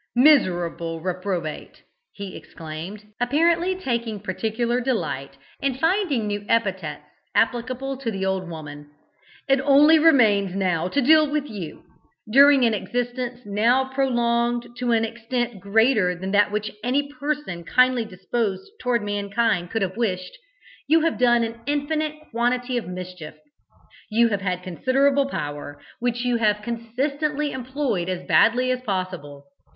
"Miserable reprobate!" he exclaimed, apparently taking particular delight in finding new epithets applicable to the old woman. "It only remains now to deal with you. During an existence now prolonged to an extent greater than that which any person kindly disposed towards mankind could have wished, you have done an infinite quantity of mischief. You have had considerable power, which you have consistently employed as badly as possible.